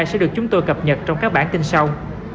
sẽ được chúng tôi cập nhật trong các bản tin sau